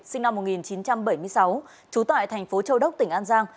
sinh năm một nghìn chín trăm bảy mươi sáu trú tại thành phố châu đốc tỉnh an giang